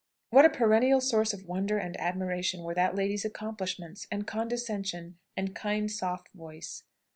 What a perennial source of wonder and admiration were that lady's accomplishments, and condescension, and kind soft voice!